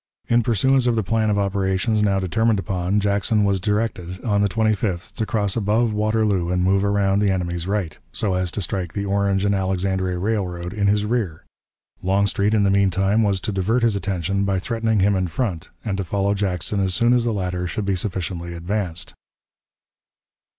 In pursuance of the plan of operations now determined upon, Jackson was directed, on the 25th, to cross above Waterloo and move around the enemy's right, so as to strike the Orange and Alexandria Railroad in his rear. Longstreet, in the mean time, was to divert his attention by threatening him in front, and to follow Jackson as soon as the latter should be sufficiently advanced.